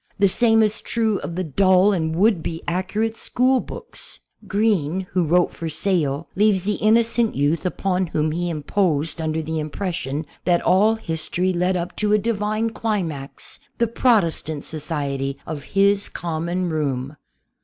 The same is true of the dull and would be accurate school books. Green, who wrote for sale, leaves the innocent youth upon whom he im posed under the impression that all history led up to a Divine climax — the Protestant society of his common room.